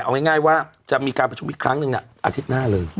เอาง่ายว่าจะมีการประชุมอีกครั้งหนึ่งอาทิตย์หน้าเลย